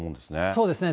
そうですね。